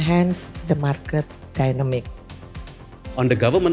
dan isu ini juga bergantung kepada keuntungan keuangan